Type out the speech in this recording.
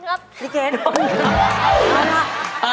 หรือริเก๋นนข์ครับ